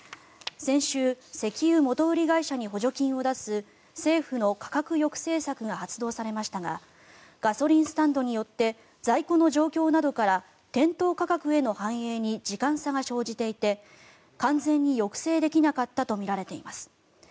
先週石油元売り会社に補助金を出す政府の価格抑制策が発動されましたがガソリンスタンドによって在庫の状況などから店頭価格への反映に時間差が生じていて完全に抑制できなかったとみられています。